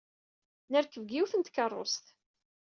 Nerkeb deg yiwet n tkeṛṛust.